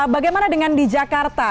bagaimana dengan di jakarta